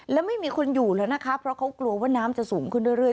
แล้วไม่มีคนอยู่แล้วนะคะเพราะเขากลัวว่าน้ำจะสูงขึ้นเรื่อย